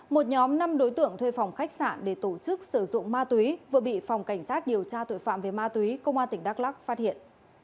một nhóm năm đối tượng thuê phòng khách sạn để tổ chức sử dụng ma túy vừa bị phòng cảnh sát điều tra tội phạm về ma túy công an tỉnh đắk lắc phát hiện